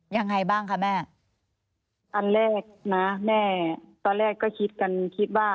ยังไงบ้างคะแม่อันแรกนะแม่ตอนแรกก็คิดกันคิดว่า